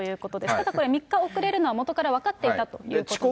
ただこれ、３日遅れるのは元から分かっていたということなんですね。